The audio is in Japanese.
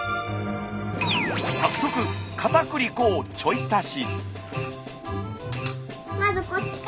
早速かたくり粉をちょい足し。